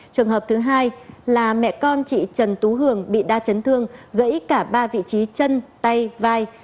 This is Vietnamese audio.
trường hợp thứ hai là mẹ con chị trần tú hường bị đa chấn thương gãy cả ba vị trí chân tay vai